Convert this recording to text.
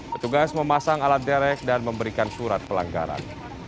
petugas memasang alat derek dan memberikan surat pelanggaran